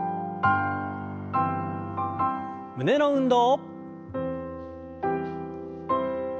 胸の運動。